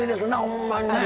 ほんまにね。